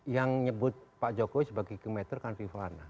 yang nyebut pak jokowi sebagai kingmaker kan rifana